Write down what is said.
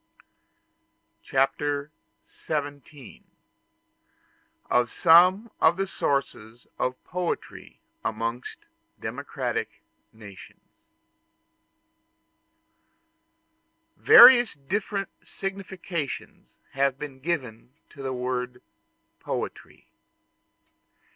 Chapter XVII: Of Some Of The Sources Of Poetry Amongst Democratic Nations Various different significations have been given to the word "poetry."